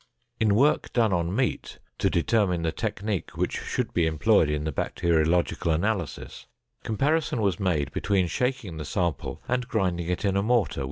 In work done on meat to determine the technique which should be employed in the bacteriological analysis, comparison was made between shaking the sample and grinding it in a mortar with sand.